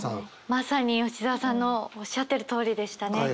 まさに吉澤さんのおっしゃってるとおりでしたね。